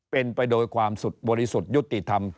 เป็นไปโดยความสุดบริสุทธิ์ยุติธรรม